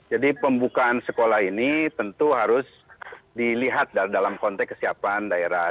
jadi pembukaan sekolah ini tentu harus dilihat dalam konteks kesiapan daerah